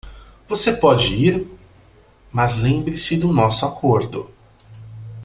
Você pode ir?, mas lembre-se do nosso acordo.